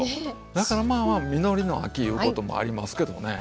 だからまあまあ「実りの秋」いうこともありますけどね